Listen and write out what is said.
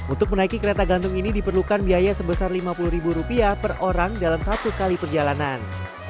untuk menaiki kereta gantung ini diperlukan biaya sebesar lima puluh ribu rupiah per orang dalam satu kali perjalanan